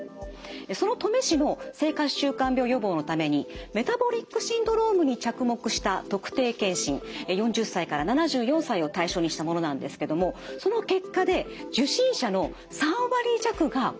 その登米市の生活習慣病予防のためにメタボリックシンドロームに着目した特定健診４０歳から７４歳を対象にしたものなんですけどもその結果で受診者の３割弱が高血圧という判定だったんですね。